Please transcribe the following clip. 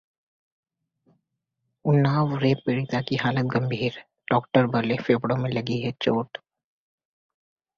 Unnao rape पीड़िता की हालत गंभीर, डॉक्टर बोले- फेफड़ों में लगी है चोट